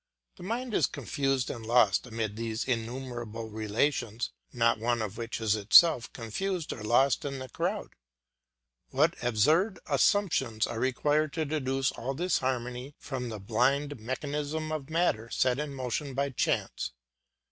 The mind is confused and lost amid these innumerable relations, not one of which is itself confused or lost in the crowd. What absurd assumptions are required to deduce all this harmony from the blind mechanism of matter set in motion by chance!